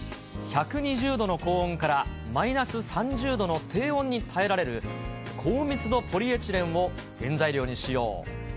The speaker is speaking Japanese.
１２０度の高温からマイナス３０度の低温に耐えられる、高密度ポリエチレンを原材料に使用。